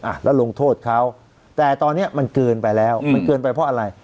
อ่ะแล้วลงโทษเขาแต่ตอนนี้มันเกินไปแล้วมันเกินไปเพราะอะไร